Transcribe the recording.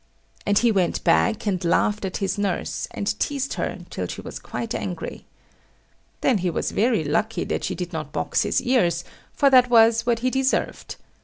And he went back and laughed at his nurse, and teased her till she was quite angry. Then he was very lucky that she did not box his ears, for that was what he deserved.